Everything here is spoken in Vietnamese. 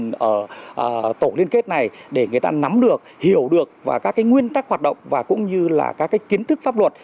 hướng dẫn các thành phần tổ liên kết này để người ta nắm được hiểu được các nguyên tắc hoạt động và cũng như là các kiến thức pháp luật